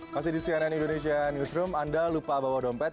masih di cnn indonesia newsroom anda lupa bawa dompet